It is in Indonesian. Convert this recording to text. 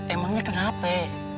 emangnya kenapa be